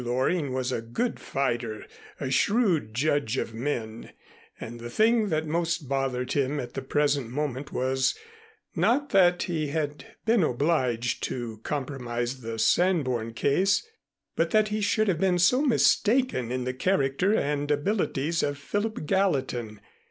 Loring was a good fighter, a shrewd judge of men, and the thing that most bothered him at the present moment was, not that he had been obliged to compromise the Sanborn case, but that he should have been so mistaken in the character and abilities of Philip Gallatin.